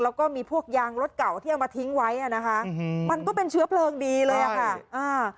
แล้วก็มีพวกยางรถเก่าที่เอามาทิ้งไว้อ่ะนะคะอืมมันก็เป็นเชื้อเพลิงดีเลยอ่ะค่ะอ่า